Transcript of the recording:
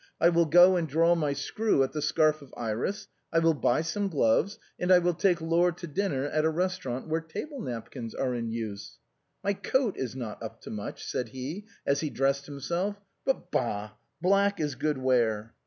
I will go and draw my screw at ' The Scarf of Iris.' I will buy some gloves ; and I will take Laure to dinner at a restaurant where table napkins are in use. My coat is not up to much," said he, as be dressed himself ;" but, bah ! black is good wear."